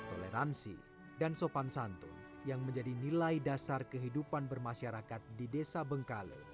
toleransi dan sopan santun yang menjadi nilai dasar kehidupan bermasyarakat di desa bengkale